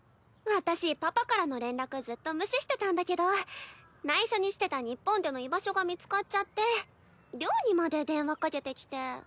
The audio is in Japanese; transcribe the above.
私パパからの連絡ずっと無視してたんだけどないしょにしてた日本での居場所が見つかっちゃって寮にまで電話掛けてきて。